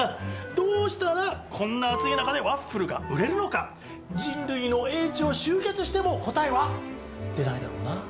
どうしたらこんな暑い中でワッフルが売れるのか人類の英知を集結しても答えは出ないだろうな。